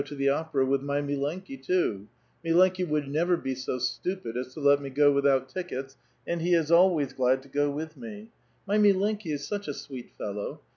to the opera with my milenki^ too ; mUeriki wonld never be 80 stupid tis to let uie go without tickets, and he is always glad to go with mc ; my milenki is such a sweet fellow